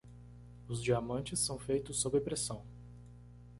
Os diamantes são feitos sob pressão.